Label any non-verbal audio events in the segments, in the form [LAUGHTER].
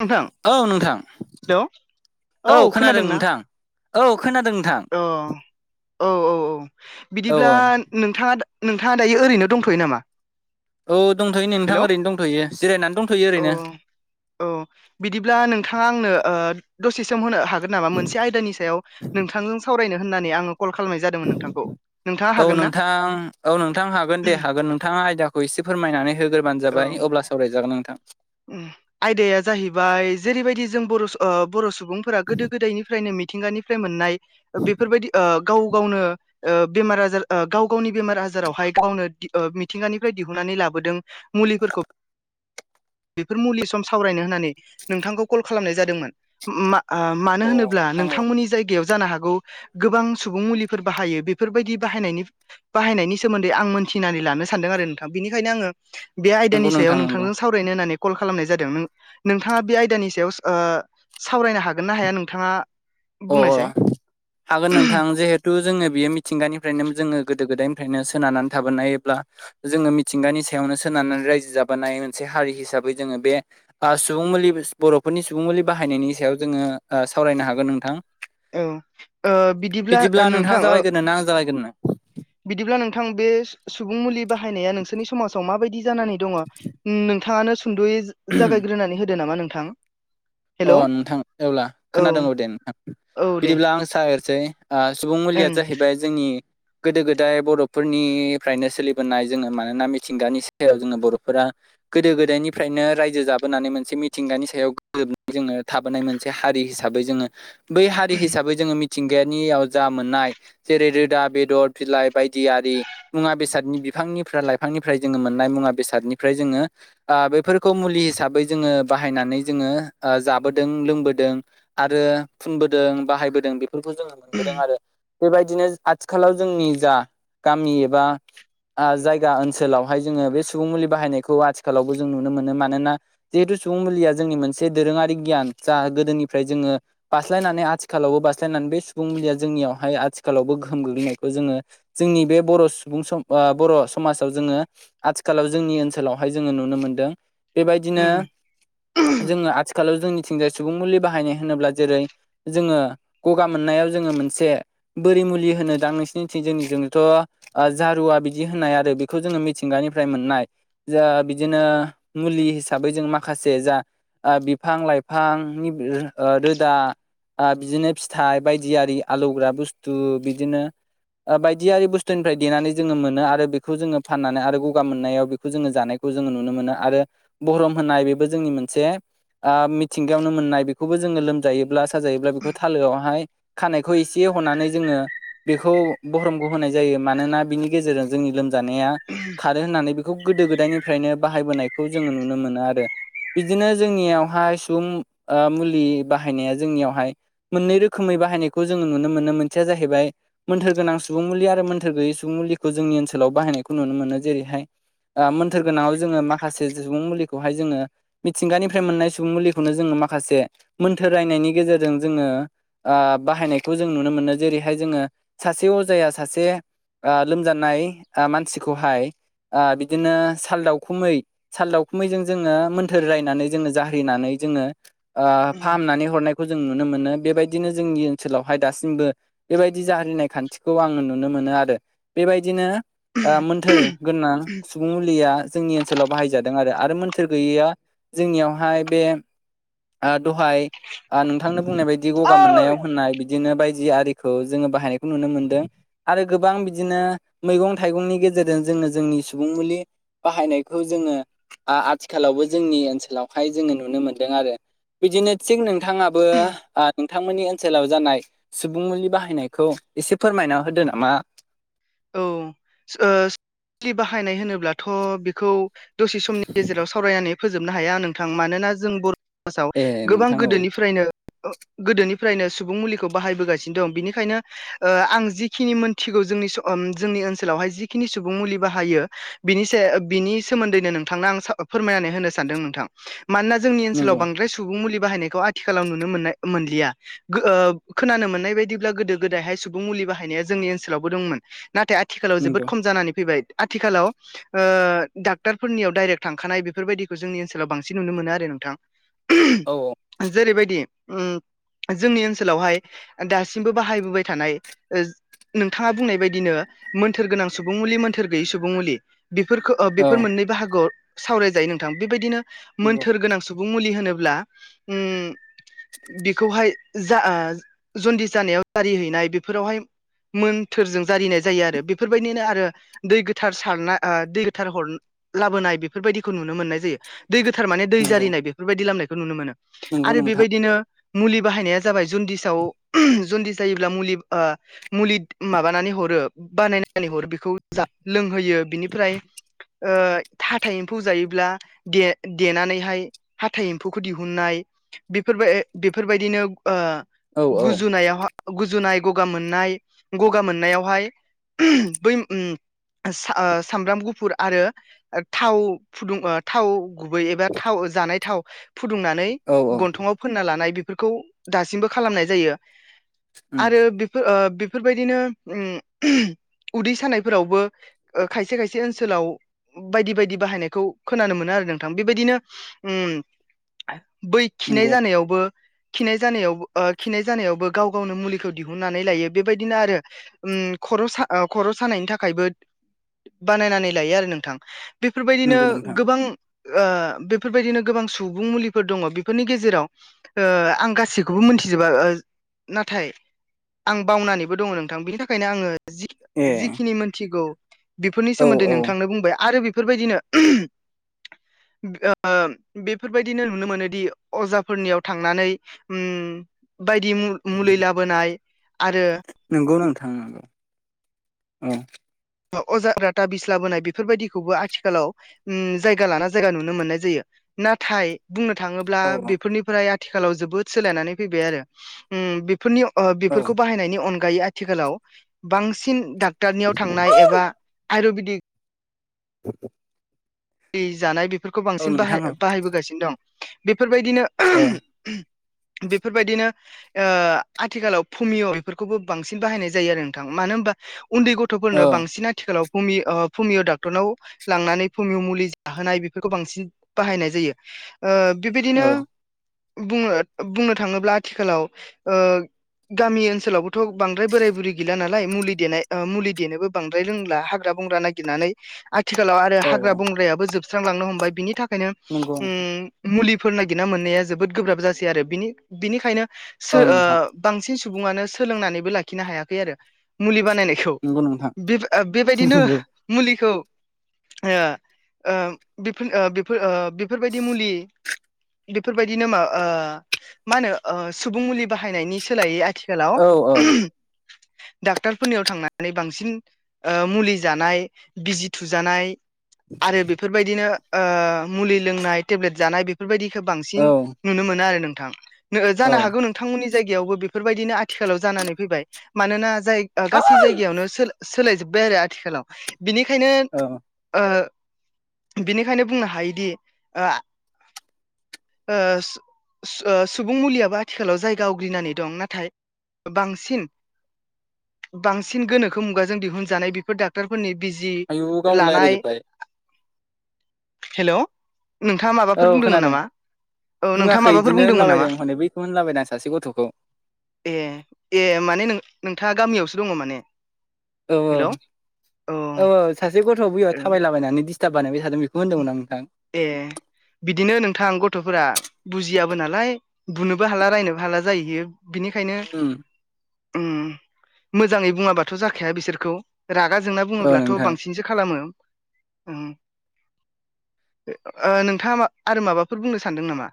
नोंथां औ नोंथां हेलौ औ खोनादों नोंथां औ खोनादों नोंथां अ औ औ औ औ बिदिब्ला औ नोंथाङा नोंथाङा दायो ओरैनो दंथ'यो नामा औ दंथ'यो नोंथां हेलौ ओरैनो दंथ'यो जिरायनानै दंथ'यो अ ओरैनो औ बिदिब्ला नोंथाङा आंनो दसे समम होनो हागोन नामा मोनसे आयदानि सायाव नोंथांजों सावरायनो होननानै आङो कल खालामनाय जा दोंमोन नोंथांखौ नोंथाङा औ हागोन ना नोंथां औ नोंथां हागोन दे हागोन नोंथाङा आयदाखौ एसे फोरमायनानै होग्रोबानो औ जाबाय अब्लासो सावरायजागोन नोंथां आयदाया जाहैबाय जेरैबायदि जों बर' बर' सुबुंफोरा गोदो गोदायनिफ्रायनो मिथिंगानिफ्राय मोननाय बेफोरबायदि ओ गाव गावनो बेमार आजार गाव गावनि बेमार आजारावहाय गावनो मिथिंगानिफ्राय दिहुननानै लाबोदों मुलिफोरखौ बेफोर मुलि सम सावरायनो होननानै नोंथांखौ कल खालामनाय जादोंमोन मा मानो अ होनोब्ला नोंथां औ नोंथांमोननि जायगायाव जानो हागौ गोबां सुबुं मुलिफोर बाहायो बेफोरबायदि बाहायनायनि बाहायनायनि सोमोन्दै आं मोनथिनानै लानो सानदों आरो नोंथां बिनिखायनो आङो बे नंगौ आयदानि सायाव नोंथां नंगौ नोंथांजों सावरायनो होन्नानै कल खालामनाय जादों नोंथाङा बे आयदानि सायाव ओ सावरायनो हागोन ना हाया नोंथाङा अ बुंनायसाय हागोन नोंथां जिहे थु जोङो बियो मिथिंगानिफ्रायनो जोङो गोदो गोदायनिफ्रायनो सोनानै थाबोनाय नायोब्ला जोङो मिथिंगानि सायावनो सोनारनानै रायजो जाबोनाय मोनसे हारि हिसाबै जोङो बे सुबुं मुलि बर'फोरनि सुबुं मुलि बाहायनायनि सायाव जोङो सावरायनो हागोन नोंथां औ ओ बिदिब्ला नोंथाङा नोंथां ओ जागायगोना आं जागायगोनो बिदिब्ला नोंथां बे सुबुं मुलि बाहायनाया नोंसोरनि समाजाव माबायदि जानानै दङ नोंथाङानो सुद'यै जागायग्रोनानै होदो नामा नोंथां अ हेलौ नोंथां अब्ला औ खोनादों दे नोंथां औ दे बिदिब्ला आं सागेरसै सुबुं मुलिया ओं जाहैबाय जोंनि गोदो गोदाय बर'फोरनिफ्रायनो सोलिबोनाय जोङो मानोना मिथिंगानि सायाव जोङो बर'फोरा गोदो गोदायनिफ्रायनो रायजो जाबोनानै मोनसे मिथिंगानि सायाव जोङो थाबोनाय मोनसे हारि हिसाबै जोङो बै हारि हिसाबै जोङो मिथिंगायारियाव जा मोननाय जेरै रोदा बेदर बिलाइ बायदि आरि मुवा बेसादनि बिफांनिफ्राय लाइफांनिफ्राय जोङो मोननाय मुवा बेसादनिफ्राय जोङो बेफोरखौ मुलि हिसाबै जोङो बाहायनानै जोङो जाबोदों लोंबोदों आरो फुनबोदों बाहायबोदों बे फोरखौ जोङो मोनबोदों आरो बेबायदिनो आथिखालाव जोंनि जा गामि एबा जायगा ओनसोलावहाय जोङो बे सुबुं मुलि बाहायनायखौ आथिखालावबो जों नुनो मोनो मानोना जिहेथु सुबुं मुलिया जोंनि मोनसे दोरोङारि गियान जा गोदोनिफ्राय जोङो बास्लायनानै आथिखालावबो बास्लायनानै बे सुबुं मुलिया जोंनियावहाय आथिखालावबो गोहोम गोग्लैनायखौ जोङो जोंनि बे बर' सुबुं सम बर' समाजाव जोंङो आथिखालाव जोंनि ओनसोलावहाय जोंङो नुनो मोनदों बेबायदिनो उम जोंङो आथिखालाव जोंनिथिंजाय सुबुं मुलि बाहायनाय होनोब्ला जेरै - जोंङो गगा मोननायाव जोंङो मोनसे बोरि मुलि होनो दां नोंसोनिथिं जोंनि जोंथ' जारुवा बिदि होननाय आरो बेखौ जोंङो मिथिंगानिफ्राय मोननाय जा बिदिनो मुलि हिसाबै जों माखासे जा ओ बिफां लाइफांनि ओ रोदा ओ बिदिनो फिथाइ बायदियि आलौग्रा बुस्थु बिदिनो बायदियारि बुस्थुनिफ्राय देनानै जोंङो मोनो आरो बेखौ जोंङो फाननानै आरो गगा मोननायाव बे खौ जोंङो जानायखौ जोङो नुनो मोनो आरो बरहम होननाय बेबो जोंनि मोनसे ओ मिथिंगायावनो मोननाय बेखौबो जोंङो लोमजायोब्ला साजायोब्ला बेखौ थालोआवहाय खानायखौ एसे हनानै जोंङो बेखौ बहरमखौ होनाय जायो मानोना बिनि गेजेरजों जोंनि लोमजानाया खारो होननानै बे खौ गोदो गोदायनिफ्रायनो बाहायबोनायखौ जों नुनो मोनो आरो बिदिनो जोंनियावहाय सुबुं ओ मुलि बाहायनाया जोंनियावहाय मोननै रोखोमै बाहायनायखौ जोंङो नुनो मोनो मोनसेया जाहैबाय मोन्थोर गोनां सुबुं मुलि आरो मोन्थोर गैयै सुबुं मुलिखौ जोंनि ओनसोलाव बाहायनायखौ नुनो मोनो जेरैहाय ओ मोन्थोर गोनांङाव जोंङो माखासे सुबुं मुलिखौहाय जोंङो। मिथिंगानिफ्राय मोननाय सुबुं मुलिखौनो जोंङो माखासे मोन्थोर रायनायनि गेजेरजों जोंङो ओ बाहायनायखौ जों नुनो मोनो जेरैहाय जोंङो सासे अजाया सासे ओ लोमजानाय मानसिखौहाय ओ बिदिनो सालदावखुमै सालदावखुमैजों जोंङो मो थोर रायनानै जोंङो जारिनानै जोंङो ओ फाहामनानै हरनाय खौ जों नुनो मोनो बेबायदिनो जोंनि ओनसोलावहाय दासिमबो बेबायदि जारिनाय खान्थिखौ आंङो नुनो मोनो आरो बेबायदिनो ओ मोन्थोर गोनां सुबुं मुलिया जोंनि ओनसोलाव बाहायजादों आरो मोन्थोर गैयैया जोंनियावहाय बे ओ दहाय ओ नोंथांनो बुंनाय बायदि बिदि गगा ओइ मोननायाव होननाय बिदिनो बायदि आरिखौ जोंङो बाहायनायखौ नुनो मोनदों। आरो गोबां बिदिनो मैगं थाइगंनि गेजेरजों जोंङो जोंनि सुबुं मुलि बाहायनायखौ जोंङो आथिखालावबो जोंनि ओनसोलावहाय जोंङो नुनो मोनदों आरो बिदिनो थिग नोंथांङाबो नोंथांमोननि ओनसोलाव जानाय सुबुं मुलि बाहायनायखौ एसे फोरमायना होदो नामा? औ सो बाहायनाय होनोब्लाथ' बेखौ दसे समनि गेजेराव सावरायनानै फोजोबनो हाया नोंथां मानोना जों बर' समाजाव ए गोबां नोंथां औ गोदोनिफ्रायनो गोदोनिफ्रायनो सुबुं मुलिखौ बाहायबोगासिनो दं बिनिखायनो ओ आं जिखिनि मोनथिगौ जोंनि जोंनि ओनसोलावहाय जिखिनि सुबुं मुलि बाहायो बिनि साया बिनि सोमोन्दैनो नोंथांनो आं फोरमायनानै होनो सानदों नोंथां मानोना जोंनि ओनसोलाव नंगौ बांद्राय सुबुं मुलि बाहायनायखौ आथिखालाव नुनो मोननाय मोनलिया गो ओ खोनानो मोननाय बायदिब्ला गोदो गोदायहाय सुबुं मुलि बाहायनाया जोंनि ओनसोलावबो दंमोन। नाथाय आथिखालाव जोबोद नंगौ खम जानानै फैबाय आथिखालाव ओ डाक्टारफोरनियाव डाइरेक्ट थांखानाय बेफोरबायदिखौ जोंनि ओनसोलाव बांसिन नुनो मोनो आरो नोंथां औ औ जेरैबायदि उम जोंनि ओनसोलावहाय दासिमबो बाहायबोबाय थानाय नोंथांङा बुंनाय बायदि बिदिनो मोन्थोर गोनां सुबुं मुलि मोन्थोर गैयै सुबुं मुलि बेफोरखो बेफोर औ मोननै बाहागोआव सावरायजायो नोंथां बेबायदिनो नंगौ मोन्थोर गोनां सुबुं मुलि होनोब्ला उम बेखौहाय जा जन्दिस जानायाव जारिहैनाय बेफोरावहाय मोन्थोरजों जारिनाय जायो आरो बेफोरबायदिनो आरो दै गोथार सारना ओ दै गोथार हर लाबोनाय बेफोरबायदिखौ नुनो मोननाय जायो। दै गोथार माने दै नंगौ जारिनाय बेफोरबायदि लाबोनायखौ नुनो मोनो। नंगौ आरो नोंथां बेबायदिनो मुलि बाहायनाया जाबाय जन्दिसाव जन्दिस जायोब्ला मुलि ओ मुलि माबानानै हरो बानायनानै हरो बेखौ जा-लोंहोयो बिनिफ्राय ओ हाथाय एम्फौ जायोब्ला दे-देनानैहाय हाथाइ एम्फौखौ दिहुननाय बेफोरबाय बेफोरबायदिनो ओ औ औ गुजुनायाव गुजुनाय गगा मोननाय गगा मोननायाव बेहाय बै ओम सा ओ सामब्राम गुफुर आरो थाव फुदुं ओ थाव गुबै एबा थाव जानाय थाव फुदुंनानै औ औ गन्थङाव फोनना लानाय बेफोरखौ दासिमबो खालामनाय जायो। उम आरो बे ओ बेफोरबायदिनो ओम उदै सानायफोरावबो ओ खायसे खायसे ओनसोलाव बायदि बायदि बाहायनायखौ खोनानो मोनो आरो नोंथां। बेबायदिनो ओम बै खिनाय नंगौ जानायावबो खिनाय जानायाव ओ खिनाय जानायावबो गाव गावनो मुलिखौ दिहुननानै लायो। बेबायदिनो आरो ओम‌ खर' सा ओ खर' सानायनि थाखायबो बानायनानै लायो आरो नोंथां। बेफोरबायदिनो नंगौ नोंथां। गोबां ओ बेफोरबायदिनो गोबां सुबुं मुलिफोर दङ बेफोरनि गेजेराव ओ आं गासैखौबो मोनथिजोबा ओ नाथाय आं बावनानैबो दङ नोंथां। बिनि थाखाय थाखायनो आङो जि ए जिखिनि मोनथिगौ बेफोरनि औ सोमोन्दै औ नोंथांनो बुंबाय आरो बेफोरबायदिनो [INAUDIBLE] ओ बेफोरबायदिनो नुनो मोनोदि अजाफोरनियाव थांनानै ओम बायदिमु- मुलैलाबोनाय आरो नोंगौ नोंथां उम औ औ अजा फोरनाव थाबिस लाबोनाय बेफोरबायदिखौबो आथिखालाव ओम जायगा लाना जायगा नुनो मोननाय जायो। नाथाय बुंनो थाङोब्ला औ बेफोरनिफ्राय आथिखालाव जोबोद सोलायनानै फैबाय आरो। ओम बे फोरनि ओ औ बेफोरखौ बाहायनायनि अनगायै आथिखालाव बांसिन डाक्टारनियाव थांनाय एबा आयुर्वेदिक [INAUDIBLE] मुलि जानाय बेफोरखौ औ बांसिन बाहाय नोंथां औ बाहाय बाहायबोगासिनो दं। बेफोरबायदिनो ओ बेफोरबायदिनो ओ आथिखालाव पमिय' बेफोरखौबो बांसिन बाहायनाय जायो आरो नोंथां। मानो होनबा उन्दै ग औ थ'फोरनो बांसिन आथिखालाव पमि ओ पमिअ' डाक्टारनाव लांनानै पमिअ' मु लि जाहोनाय बेफोरखौ बांसिन बाहायनाय जायो। ओ औ बेबायदिनो बुंङो बुंनो थाङोब्ला आथिखालाव ओ गामि ओनसोलावबोथ' बांद्राय बोराय-बुरै गैला नालाय मुलि देनाय ओ मुलि देनोबो बांद्राय रोंला हाग्रा बंग्रा नागिरनानै [INAUDIBLE] आथिखालाव आरो औ हाग्रा बंग्रायाबो जोबस्रांलांनो हमबाय बिनि थाखायनो नंगौ नोंथां ओम मुलिफोर नागिरना मोननाया जोबोद गोब्राब जासै आरो बिनि बिनिखायनो सो औ ओ नोंथां बांसिन सुबुङानो सोलोंनानैबो लाखिनो हायाखै आरो मुलि बानायनाय खौ नंगौ नोंथां बे ओ बेबायदिनो नंगौ मुलिखौ ओ ओ बेफोर ओ बेफोर ओ बेफोरबायदि मुलि बेफोरबायदिनो मा ओ मा होनो ओ सुबुं मुलि बाहायनायनि सोलायै आ थिखालाव औ औ डाक्टरफोरनियाव थांनानै बांसिन ओ मुलि जानाय बिजि थुजानाय आरो बेफोरबायदिनो ओ मुलि लोंनाय टेब्लेट जानाय बेफोरबायदिखो औ बांसिन नुनो मोनो आरो नोंथां नो जानो औ हागौ नों थांमोननि जायगायावबो बेफोरबायदिनो आथिखालाव जानानै फैबाय मानोना जाय ओ गासै जायगायावनो सोर सोलायजोब्बाय आरो आथिखालाव बिनिखायनो औ ओ बिनिखायनो बुंनो हायोदि ओ आ ओ सु ओ सुबुं मुलियाबो आथिखालाव जायगा आवग्रिनानै दं नाथाय बांसिन बांसिन गोनोखो मुगाजों दिहुनजानाय बेफोर दाख क्टरफोरनि बिजि आयु गावनो लानाय रायज्लायजोबबाय हेलौ नोंथाङा औ माबाफोर बुंदोंमोन खोनादों नामा? औ नोंथाङा बुङाखै माबाफोर इदिनो बुंदोंमोन नामा होनलाबायदों हनै बैखौ होनलाबायदां सासे गथ'खौ। ए ए माने नोंथाङा गामियावसो दङ माने औ औ हेलौ औ औ सासे गथ'आव बैयाव थाबायलाबायनानै डिस्टार्ब बानायबाय थादों बे खौ होन्दोंमोन आं नोंथां। ए। बिदिनो नोंथां गथ'फोरा बुजियाबो नालाय बुनोबो हाला रायनोबो हाला जाहैयो। बिनिखायनो उम उम मोजाङै बुङाबाथ' जाखाया बिसोरखौ। रागा जोंना औ बुङोब्लाथ' नोंथां बांसिनसो खालामो। ओ नोंथाङा मा आरो माबाफोर बुंनो सानदों नामा?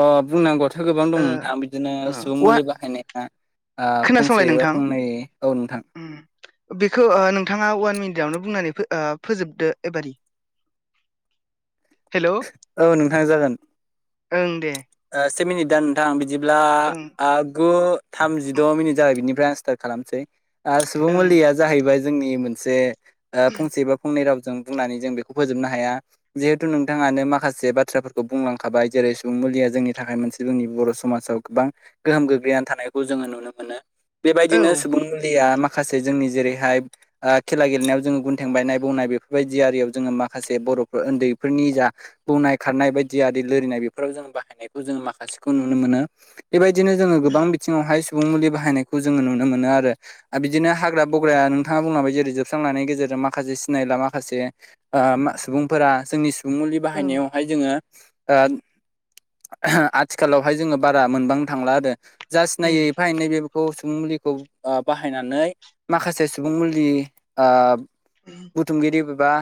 अ बुंनांगौआथ' गोबां ओ दं नोंथां बिदिनो ओ सुबुं वा मुलि बाहायनायफ्रा। ओ खोनासंलाय फंसे बा नोंथां फंनै औ नोंथां। बेखौ ओ नोंथांङा अवान मिनिटावनो बुंनानै ओ फोजोबदो एबारि हेलौ औ नोंथां जागोन। ओं दे। ओ से मिनिट दा नोंथां बिदिब्ला ओं गु थामजिद' मिनिट जागाय बिनिफ्राय आनस्टार्ट खालामसै आरो सुबुं ओं मुलिया जाहैबाय जोंनि मोनसे ओ फंसे बा फंनै रावजों बुंनानै जों बेखौ फोजोबनो हाया। जिहेतु नोंथाङानो माखासे बाथ्राफोरखौ बुंलांखाबाय जेरै सुबुं मुलिया जोंनि थाखाय मोनसे जोंनि बर' समाजाव गोबां गोहोम गोग्लैना थानायखौ जोङो नुनो मोनो। औ बेबायदिनो ओं सुबुं मुलिया माखासे जोंनि जेरैहाय ओ खेला गेलेनायाव जोङो गुनथें बायनाय बौनाय बेफोरबायदि आरियाव जोङो माखासे बर'फोर उन्दैफोरनि जा बौनाय खारनाय बायदि आरि लोरिनाय बेफोराव जों बाहायनाय जों माखासेखौ नुनो मोनो बेबायदिनो जोङो गोबां बिथिङावहाय सुबुं मुलि बाहायनायखौ जोङो नुनो मोनो आरो। आ बिदिनो हाग्रा बग्राया नोंथाङा बुंलांबबाय जेरै जोबस्रांलांनायनि गेजेरजों माखासे सिनायला माखासे ओ मा सुबुंफोरा जोंनि सुबुं मुलि बाहायनायावहाय जोङो ओ। आथिखालावहाय जोङो बारा मोनबांनो थांला आरो जा उम सिनायै बाहाय नै बेखौ सुबुं मुलिखौ बाहायनानै माखासे सुबुं मुलि बुथुमगिरिबा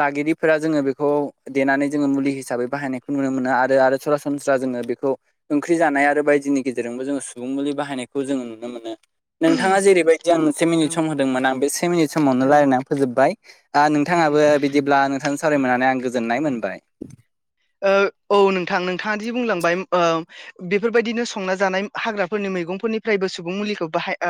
लागगिरिफोरा जोङो बेखौ देनानै जोङो मुलि हिसाबै बाहायनायखौ नुनो मोनो आरो आरो सरासनस्रा जोङो बेखौ ओंख्रि जानाय आरो बायदिनि गेजेरजोंबो जोङो सुबुं मुलि बाहायनायखौ जोङो नुनो मोनो नोंथाङा जेरैबायदि आं से मिनिट ओं सम होदोंमोन आं बे से मिनिट समावनो ओं रायना फोजोबबाय नोंथाङाबो उम बिदिब्ला नोंथांजों सावराय मोननानै आं गोजोननाय मोनबाय ओ औ नोंथां नोंथाङा दि बुंलांबाय ओ बेफोरबायदिनो संना जानाय हाग्राफोरनि मैगंफोरनिफ्रायबो सुबुं मुलिखौ बाहाय